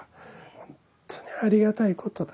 本当にありがたいことだ。